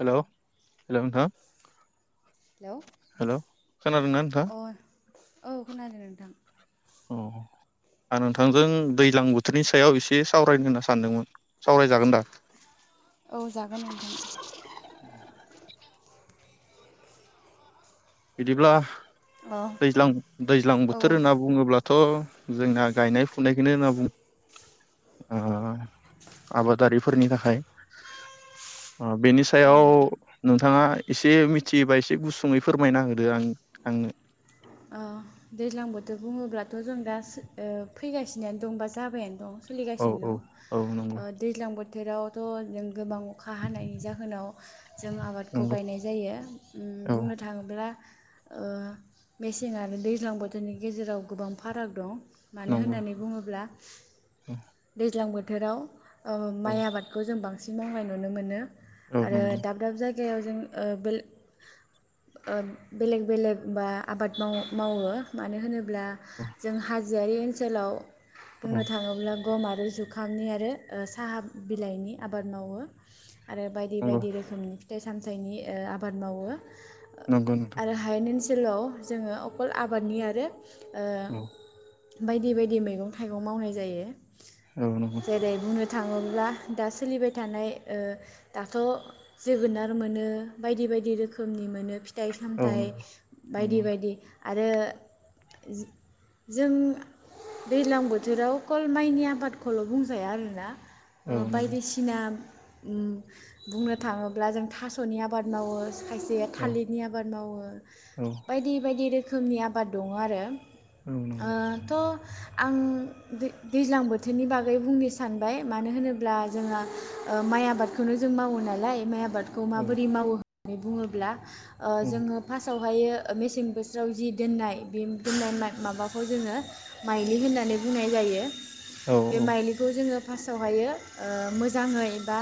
Hello hello नोंथां। Hello hello खोनादोंना नोंथां अ औ खोनादों नोंथां। अ आं नोंथांजों दैज्लां बोथोरनि सायाव एसे सावरायनो होनना सानदोंमोन सावरायजागोन दा? औ जागोन नोंथां। बिदिब्ला। अ दैज्लां दैज्लां औ बोथोर होनना बुङोब्लाथ'। जोंना गायनाय फुनायखौनो होनना बुङो ओ आबादारिफोरनि थाखाय। ओ बेनि औ सायाव नोंथां नोंथाङा। एसे मिथियोबा एसे गुसुङै। फोरमायना होदो आंनो आंनो। ओ दैज्लां बोथोर बुङोब्लाथ जों दा ओ फैगासिनोआनो दं बा जाबायानो दं। औ सोलिगासिनो औ औ नंगौ दं दैज्लां बो बोथोरावथ' जों गोबां अखा हानायनि जाहोनाव जों आबादखौ नंगौ गायनाय जायो। औ बुंनो थाङोब्ला ओ मेसें आरो दैज्लां बोथोरनि गेजेराव गोबां फाराग दं। मानो नंगौ होननानै बुङोब्ला दैज्लां बो बोथोराव औ माइ आबादखौ जों बां सिन मावनाय नुनो मोनो। औ आरो नंगौ दाब दाब जाय गायाव जों बेल-बेलेग बेलेग बा आबाद माव मावो मानो होनो ब्ला औ हाजोआारि ओनसोलाव बुंनो औ थाङोब्ला गम आरो जुखांनि आरो साहा बिलाइनि आबाद मावो। आरो बायदि नंगौ बायदि रोखोमनि फिथाइ सामथाइनि आबाद मावो। नंगौ नोंथां आरो हायेन ओनसो हेलौ जोङो अखल आबादनि आरो ओ औ बायदि बायदि मैगं थाइगं मावनाय जायो। औ नंगौ जेरै बुंनो थाङो ब्ला दा सोलिबाय थानाय दाथ जोगोनार मोनो बायदि बायदि रोखोमनि मोनो फि थाइ औ सामथाइ नंगौ नंगौ बायदि बायदि आरो जों दैज्लां बोथोराव कल माइनि आबादखौल बुंजाया आरोना। औ नंगौ बायदिसिना बुंनो थाङोब्ला जों थास'नि आबाद मावो। खायसे औ थालिरनि आबाद मावो। औ बायदि बायदि रोखोमनि आबाद दङ आरो। औ नंगौ ओ थ आं दैज्लां बोथोरनि बागै बुंनो सानबाय मानो होनोब्ला जोंहा माइ आबादखौनो जों मावो नालाय माइ आबाद खौ औ माबोरै मावो? नानै बुङोब्ला ओ औ जोङो फासआव ओमफायो ओ मेसें बोसोराव जि दोननाय बे दोननाय माय-माबाखौ जोङो माइलि होननानै बुंनाय जायो। औ बे औ माइलिखौ जोङो फार्स्टआवहायो ओ मोजाङै बा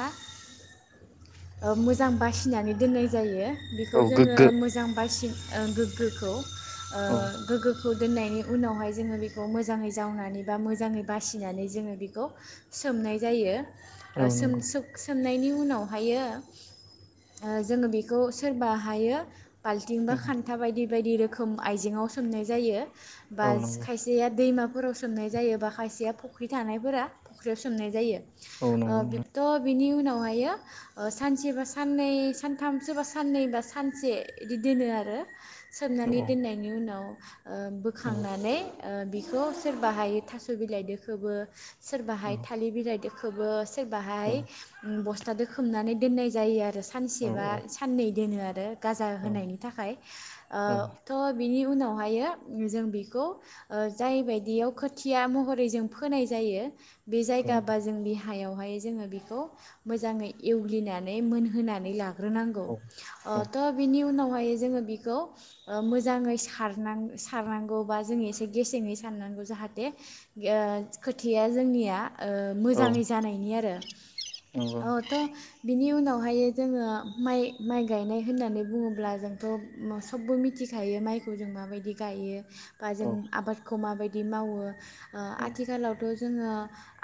ओ मोजां बासिनानै दोननाय जायो। बेखौ औ जोङो गोग्गो मोजां बासि ओ गो ग्गोखौ ओ औ गोग्गो खौ दोननायनि उनावहाय जोङो बेखौ मोजाङै जावनानै बा मोजाङै बासिनानै जोङो बेखौ सोमनाय जायो। औ ओ सोम नंगौ सोख सो सोमनायनि उनावहायो ओ जोङो बेखौ सोरबा हायो बाल्थिं बा औ खान्था बायदि बायदि रोखोम आइजेेङाव सोमनाय जायो। बा औ नंगौ खायसेया दैमा फोराव सोमनाय जायो बा माखासेया फुख्रि थानायफोरा फुख्रियाव सोमनाय जायो। औ ओ नंगौ नंगौ बिबथ बिनि उनावहायो ओ सानसे बा साननै सानथाम सोरबा साननै बा सानसे इदि दोनो आरो। औ सोमनानै औ दोननायनि उनाव [unintelligible] ओ बोखांनानै ओ बिखौ सोरबाहायो थास बिलाइदो खोबो। औ सोरबाहाय थालिर बिलाइदो खोबो सोरबाहाय औ बस थादो खोमनानै दोननाय जायो आरो। औ सानसेबा औ साननै दोनोआरो। गाजा औ होनायनि थाखाय ओ औ नंगौ औ थ बेनि उनावहायो जों बेखौ ओ जायबायदियाव खोथिया महरै जों फोनाय जायो बे औ नंगौ जायगाबा जों बिहा हायावहाय जोङो बेखौ मोजाङै एवग्लिनानै मोनहोनानै ला ग्रोनांगौ ओ थ' बिनि उनाव फायो जोङो बेखौ ओ मोजाङै सारनां सारनांगौ बा जों एसे गेसेङै सारनांगौ जाहाथे ओ खोथिया जोंनिया ओ मोजाङै जानायनि आरो। औ नोंथां थ' बिनि उनाव बेवहाय जोङो माइ माइ गायनाय होननानै बुङोब्ला जोंथ' मोस बो मिथिखायो माइखौ जों माबायदि गायो। बा जों आबादखौ मा बायदि मावो ओ आथिखालावथ' जोङो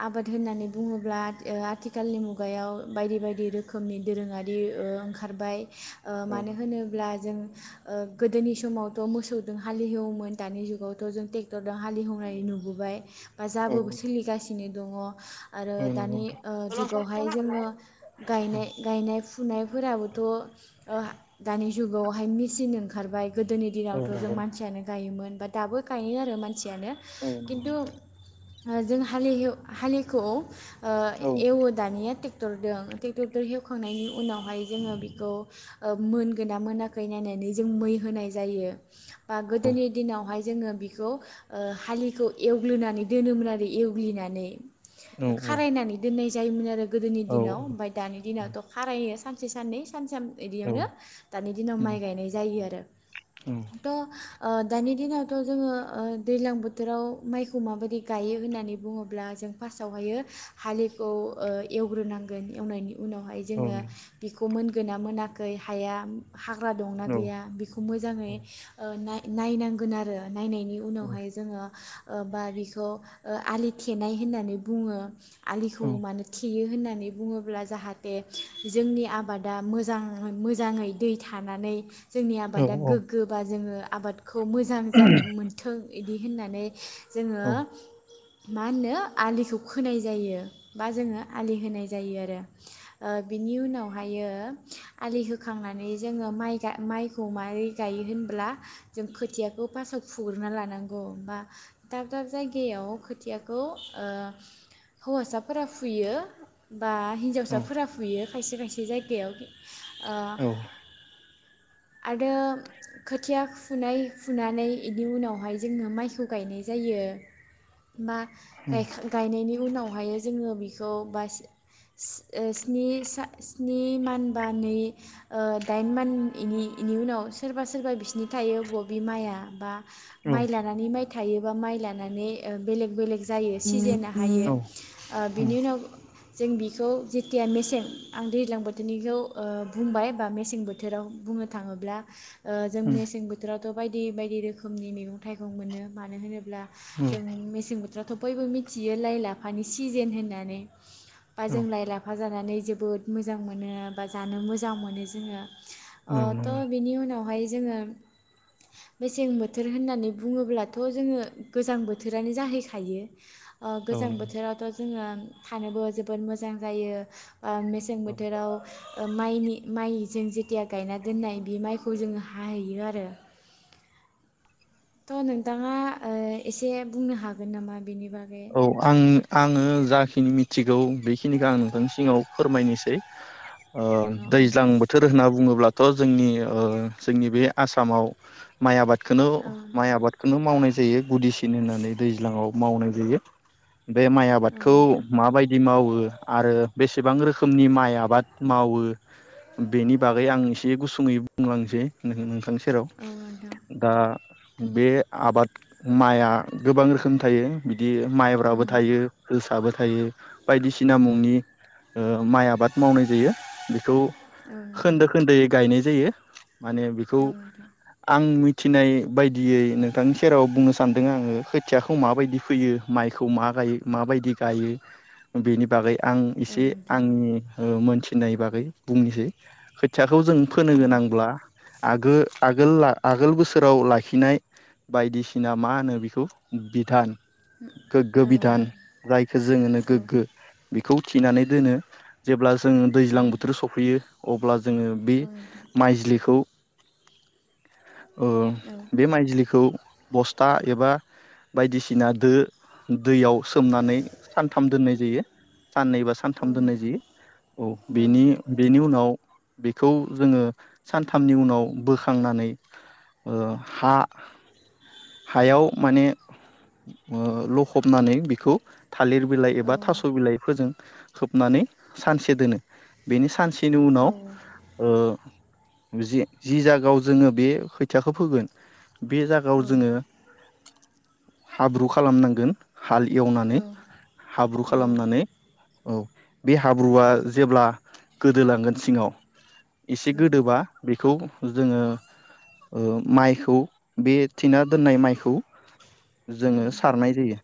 आबाद होननानै बुङोब्ला ओ आथिखालनि मुगायाव बायदि बायदि रोखोमनि दोरोङारि ओ ओंखारबाय। ओ मानो होनोब्ला जों [inaudible] ओ गोदोनि समावथ' मोसौदो हालिहेवोमोन दानि जुगावथ' जों टेक दो हालेवहोनाय नुबोबाय बा जाबोबो सोलिगासिनो नि दङ। आरो औ नंगौ दानि ओ जुगावहाय जोङो गायनाय गायनाय फुनायफोराबोथ' ओ दानि जुगावहाय मि सिन ओंखारबाय। गोदोनि दिनावथ' जों मानसियानो गायोमोन बा दाबो गायो आरो मान सियानो औ नंगौ औ औ खिनथु ओ जों हालिलिउ हालिखौ ओ एवो दानिया टेक ट्रेक्टरदों ट्रेक्टरदों एवखांनायनि उनावहाय जोङो बेखौ मोनगोना मोनाखै नायनानै जों मै होनाय जायो बा गोदोनि दिनावहाय जोङो बिखौ हालिखौ एवग्लिनानै दोनोमोन आरो एवग्लिनानै। औ खारायनानै दोननाय जायोमोन आरो। गोदोनि दिनाव ओमफ्राय दानि दिनावथ' खारायो सान साननै सान साम इदियावनो दानि दिनाव माइ नाय जायो आरो थ' ओ दा दानि दिनावथ' जोङो दैज्लां बोथोराव माइखौ माबायदि गायो होननानै बुङोब्ला जों फार्स्टआवहायो हालिखौ एवग्रोनांगोन एवनायनि उनावहाय जोङो बेखौ मोनगोन ना मोना खै हाया हा ग्रा दंना गैया बेखौ मोजाङै ओ नाय नायनांगोन आरो नायनायनि उनावहाय जोङो ओ बा बिखौ ओ आलि थेनाय होननानै बुङो। आलिखौ मानो थेयो होनना होननानै बुङोब्ला जाहाथे जोंनि आबादा मोजांङै मोजांङै दै थानानै जोंनि आबादा गोग्गोबा जोङो आबाद खौ मोजां जा मोनथों इदि होननानै जोङो मा होनो आलिखौ खोनाय जायो बा जोङो आलि होनाय जायो आरो ओ बिनि उनावहायो आलि होखांनानै जोङो माइ गा माइखौ मारै गायो होनब्ला जों खोथियाखौ फासआव फुग्रोना लानांगौ बा दाब दाब जायगायाव खोथियाखौ ओ हौवासाफोरा फुयो। बा हिन्जावसाफोरा फुयो। खायसे खायसे जायगायाव ओ आरो खोथिया फुनाय फुनानै इदि उनावहाय जोङो माइखौ गायनाय जायो। बा गायखा गायनायनि उनावहाय जोङो बे खौ बा सि सि ओ स्नि सा स्नि मानबा नै ओ दाइन मान इनि-इनि उनाव सोरबा सोरबा बिस्निनि थायो बबि माइआ बा माइ लानानै माइ थायो। बा माइ लानानै ओ बेलेक बेलेक जायो सिजेना हायो औ ओ औ बिनि उनाव जों बिखौ जेथिया मेसें आं दैज्लां बोथोरनिखौ ओ बुंबाय बा मेसें बोथोराव बुंनो थाङोब्ला ओ जों उम मेसें बोथोराव थ' बायदि बायदि रोखोमनि मैगं थाइगं मोनो मानो होनोब ब्ला उम जों मेसें बोथोराव थ' बयबो मिथियो लाइ लाफानि सिजेन होननानै बा औ जों लाइ लाफा जानानै जोबोद मोजां मोनो बा जानो मोजां मोनो जोङो। अ औ त नंगौ। बिनि उनावहाय जोङो मेसें बोथोर होननानै बुङोब्लाथ' जोङो गोजां बोथोरानो जाहैखायो। ओ औ गोजां नंगौ बोथोरावथ'। जोङो थानोबो जोबोद मोजां जायो। ओ मेसें औ। बोथोराव ओ माइनि माइ जों जेथिया गायना दोननाय बे माइखौ जोङो हाहैयो आरो। थ' नोंथाङा ओ एसे बुंनो हागोन नामा? बिनि बागै। औ आं आङो जाखिनि मिथिगौ बेखिनिखौ आङो नोंथांनो फोरमायनोसै ओ औ औ दैज्लां बोथोर होनना बुङोब्ला थ' जोंनि ओ जोंनि बे आसामाव माइ आबाद। खौनो औ माइ आबादखौनो मावनाय जायो गुदिसिन होननानै दैज्लाङाव मावनाय जायो। बे माइ आबादखौ नोंथां माबायदि मावो आरो बेसेबां रोखोमनि माइ आबाद मावो बेनि बागै आं एसे गुसुङै बुंलांसै नोंथांसिम। जेराव औ नोंथां दा। बे आबाद माइआ गोबां रोखोम थायो बिदि औ नोंथां माइब्राबो उम थायो फोलसाबो थायो थायो बायदिसिना मुंनि ओ माइ आबाद मावनाय जायो बेखौ औ नोंथां खोन्दो खोन्दोयै गायनाय जायो। माने बेखौ औ नोंथां आं मिथ थिनाय बायदियै नोंथांनि सेराव बुंनो सानदों आङो खोथियाखौ माबायदि फुयो माइखौ मा गायो मा बादि गायो बेनि बागै आं औ एसे नोंथां आंनि ओ मोन थिनाय बागै बुंनोसै खोथिया खौ जों फोनो औ गोनांब्ला आगो आगोला आगोल बोसोराव लाखिनाय बायदिसिना मा होनो बेखौ बिधान गोग्गो औ बिधान जायखौ जोङो होनो गोग्गो बेखौ थिनानै दोनो जेब्ला जोङो दैज्लां औ बोथोर सफैयो अब्ला जोङो बे औ नोंथां माइज्लिखौ ओ औ बे माइदिलिखौ बस्था एबा बायदिसिन ना दो दैयाव सोमनानै सानथाम दोननाय जायो साननैबा औ सानथाम दोननाय नोंथां जायो औ बेनि औ बेनि उनाव बेखौ जोङो सानथामनि उनाव बोखांनानै ओ हा हायाव माने ओ लख'बनानै बिखौ थालिर बिलाइ औ एबा थास' बिलाइफोरजों खोबनानै सानसे दोनो बेनि सानसे नि उनाव औ ओ जि जायगायाव जोङो बे खोथियाखौ फोगोन बे औ जायगायाव जोङो हाब्रु खालामनांगोन। हाल एवनानै औ हाब्रु खालामनानै औ बे हाब्रुआ जेब्ला गोदोलांगोन सिङाव एसे गोदोबा बेखौ जोङो माइखौ बे थिना दोननाय माइखौ जोङो सारनाय जायो।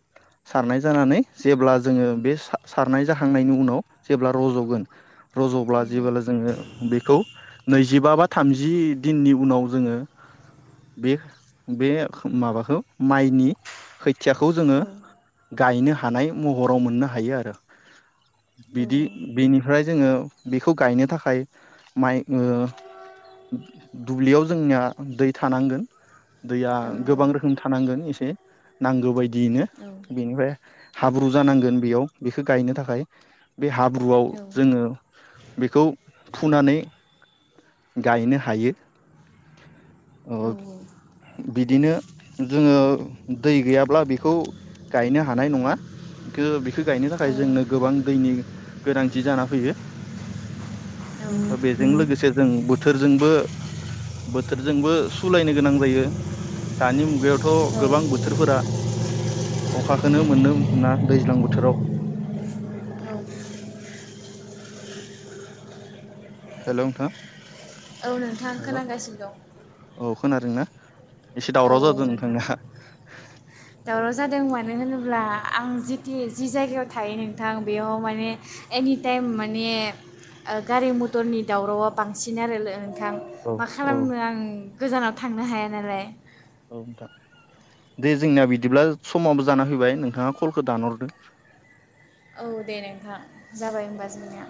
सारनाय जानानै जेब्ला जोङो बे सारनाय जाखांनायनि उनाव जेब्ला रज'गोन रज'ब्ला जेबोला जोङो बेखौ नै जिबा बा थामजि दिननि उनाव जोङो बे बे माबाखौ माइनि बि खोथा खोथियाखौ जोङो गायनो हा थानाय महराव मोननो हायो आरो बिदि बेनिफ्राय जोङो बेखौ गायनो थाखाय माइ ओ दुब्लियाव जोंनिया दै थानांगोन दैया औ गोबां रोखोम थानांगोन एसे नांगौ बायदि दिनो बेनिफ्राय हाब्रु जानांगोन बेयाव बेखौ गायनो थाखाय बे हाब्रुआव जोङो बेखौ फुनानै गायनो हायो अ बिद बिदिनो जोङो दै गैयाब्ला बेखौ गायनो हानाय नङा खो गायनो औ थाखाय जोंनो गोबां दैनि गोनांथि जाना फैयो। बेजों लोगोसे जों बोथोरजोंबो बोथोरजोंबो सुलायनो गोनां जायो दानि मुगायावथ' गोबां औ बोथोर बोथोरफोरा अखोखौनो मोननो मोना दैज्लां बोथोराव हेलौ नोंथां औ नोंथां खोनागासिनो दं खोनादों ना एसे औ दावराव औ जादों नोंथां। दावराव जादों मानो होनोब्ला आं जिथि जि जायगायाव थायो नोंथां बेयाव माने एनिटाइम माने गारि मथरनि दावरावा बांसिन आरो औ मा खालामनो आं गोजानाव थांनो हाया नालाय औ नोंथां दे जोंनिया बिदिब्ला समाबो जाना फैबाय नोंथाङा कलखौ दानहरदों औ दे नोंथां जाबाय होनोमबा जोंनिया